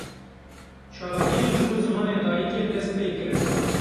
Çalakiyên ji bo zimanê dayîkê dest pê kirin.